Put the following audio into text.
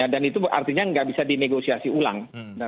dan itu artinya nggak bisa dinegosiasi ulang